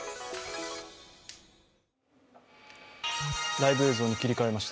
ライブ映像に切り替えました。